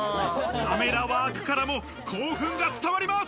カメラワークからも興奮が伝わります。